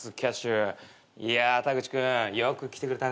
いやあタグチ君よく来てくれたね。